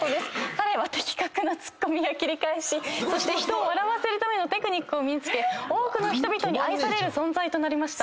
彼は的確なツッコミや切り返しそして人を笑わせるテクニックを身に付け多くの人々に愛される存在となりました。